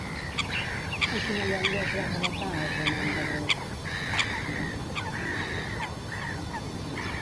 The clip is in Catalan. En quina llengua es va relatar el Roman de Brut?